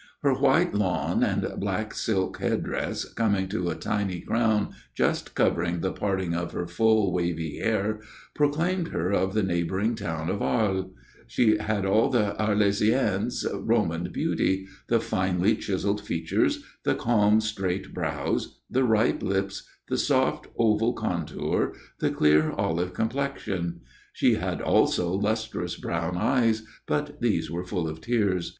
Her white lawn and black silk headdress, coming to a tiny crown just covering the parting of her full, wavy hair, proclaimed her of the neighboring town of Arles. She had all the Arlésienne's Roman beauty the finely chiselled features, the calm, straight brows, the ripe lips, the soft oval contour, the clear olive complexion. She had also lustrous brown eyes; but these were full of tears.